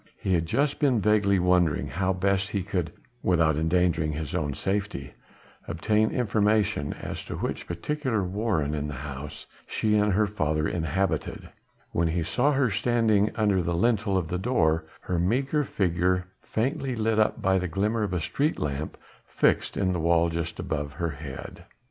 He had just been vaguely wondering how best he could without endangering his own safety obtain information as to which particular warren in the house she and her father inhabited, when he saw her standing under the lintel of the door, her meagre figure faintly lit up by the glimmer of a street lamp fixed in the wall just above her head.